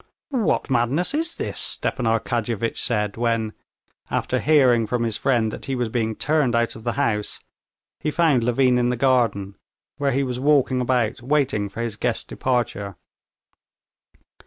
"What madness is this?" Stepan Arkadyevitch said when, after hearing from his friend that he was being turned out of the house, he found Levin in the garden, where he was walking about waiting for his guest's departure.